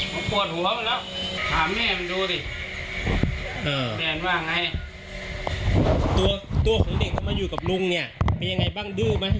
จะอย่างไรตัวตัวของเด็กก็มาอยู่กับลุงเนี่ยมียังไงบ้างดื้อมั้ย